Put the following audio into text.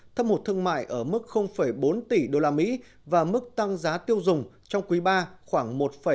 thâm hụt thương mại ở mức bốn tỷ usd và mức tăng giá tiêu dùng trong quý ba khoảng một ba mươi một